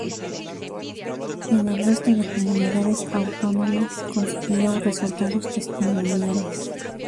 En el resto de comunidades autónomas consiguió resultados testimoniales.